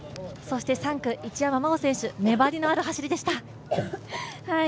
３区、一山麻緒選手、粘りのある走りでした。